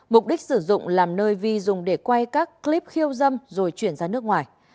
mục đích sử dụng làm nơi vi dùng để quay các clip khiêu dâm rồi chuyển ra nước ngoài